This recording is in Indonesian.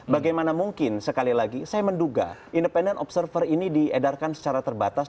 bagaimana mungkin sekali lagi saya menduga independent observer ini diedarkan secara terbatas